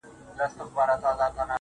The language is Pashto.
ځکه چي ماته يې زړگی ويلی_